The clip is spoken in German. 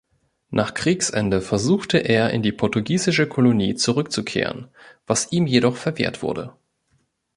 Nach Kriegsende versuchte er, in die portugiesische Kolonie zurückzukehren, was ihm jedoch verwehrt wurde.